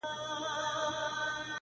میکده په نامه نسته، هم حرم هم محرم دی~